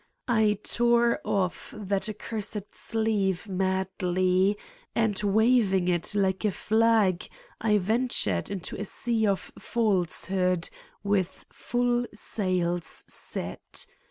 I tore off that accursed sleeve madly and waving it like a flag, I ventured into a sea of falsehood, with full sails set.